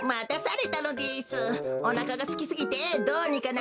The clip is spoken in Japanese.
おなかがすきすぎてどうにかなりそうです。